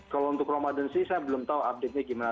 kalau untuk ramadan sih saya belum tahu update nya gimana